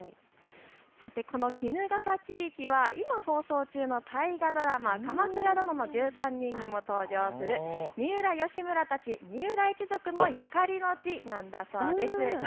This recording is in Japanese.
さて、この衣笠地域は今放送中の大河ドラマ、鎌倉殿の１３人にも登場する三浦義村たち三浦一族のゆかりの地なんだそうです。